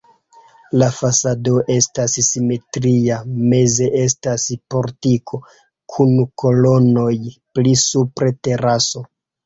La fasado estas simetria, meze estas portiko kun kolonoj, pli supre teraso.